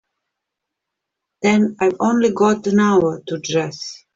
Then I've only got an hour to dress.